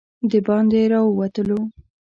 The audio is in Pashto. د باندې راووتلو.